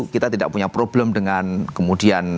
kita tidak punya problem dengan kemudian